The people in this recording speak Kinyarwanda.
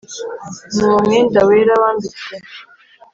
n’uwo mwenda wera wambitswe